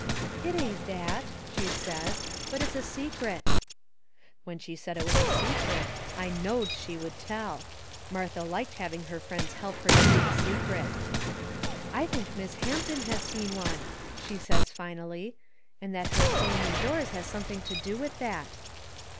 "It ain't that," she says, "but it's a secret." When she said it was a secret, I knowed she would tell. Martha liked having her friends help her to keep a secret. "I think Miss Hampton has seen one," she says, finally, "and that her staying indoors has something to do with that."